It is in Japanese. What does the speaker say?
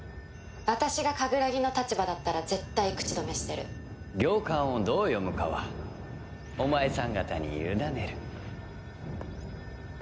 「私がカグラギの立場だったら絶対口止めしてる」行間をどう読むかはお前さん方に委ねる。